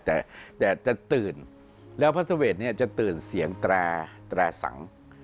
แต่แคร์จะตื่นแล้วพระสุเวศเนี่ยจะตื่นเสียงแตระแตระสัง